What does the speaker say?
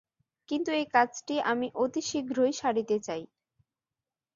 কিন্তু এই কাজটি আমি অতি শীঘ্রই সারিতে চাই।